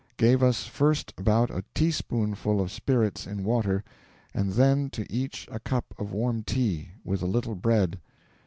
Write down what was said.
Gave us first about a teaspoonful of spirits in water, and then to each a cup of warm tea, with a little bread.